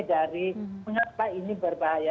dari mengapa ini berbahaya